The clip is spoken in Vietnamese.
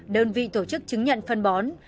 đơn vị tổ chức chứng nhận phân bón